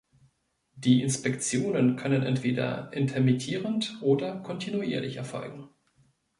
Die Inspektionen können entweder intermittierend oder kontinuierlich erfolgen.